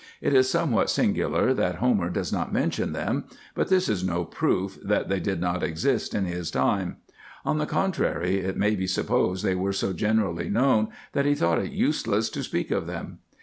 It is somewhat singular, that Homer does not mention them ; but this is no proof, that they did not exist in his time ; on the con trary, it may be supposed they were so generally known, that he thought it useless to speak of them.